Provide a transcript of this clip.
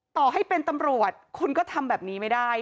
ต่อให้เป็นตำรวจคุณก็ทำแบบนี้ไม่ได้